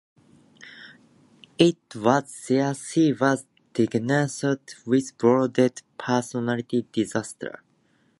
It was there she was diagnosed with borderline personality disorder.